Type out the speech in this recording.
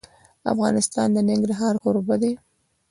افغانستان د ننګرهار کوربه دی.